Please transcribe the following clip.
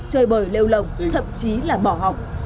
chơi bời lêu lồng thậm chí là bỏ học